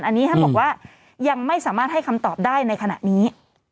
อันนี้ท่านบอกว่ายังไม่สามารถให้คำตอบได้ในขณะนี้